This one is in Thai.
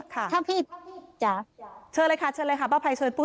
ถ้าพี่ถ้าพี่ถ้าพี่ถ้าพี่ถ้าพี่ถ้าพี่ถ้าพี่ถ้าพี่